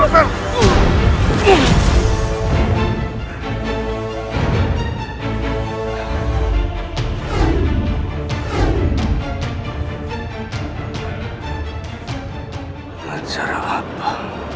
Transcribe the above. dengan cara apa